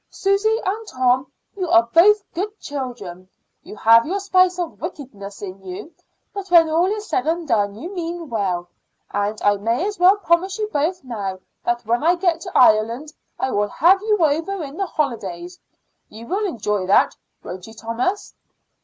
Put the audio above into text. Susy and Tom, you are both good children. You have your spice of wickedness in you, but when all is said and done you mean well, and I may as well promise you both now that when I get to Ireland I will have you over in the holidays. You will enjoy that won't you, Thomas?"